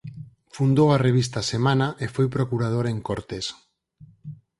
Fundou a revista "Semana" e foi procurador en Cortes.